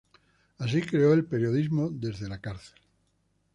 Así creo el "periodismo desde la cárcel".